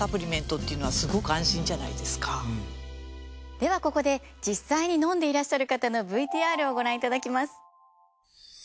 ではここで実際に飲んでいらっしゃる方のＶＴＲをご覧いただきます。